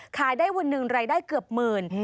ขายได้วันหนึ่งรายได้เกือบหมื่น